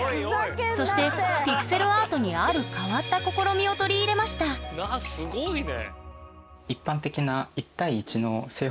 そしてピクセルアートにある変わった試みを取り入れましたすごいね。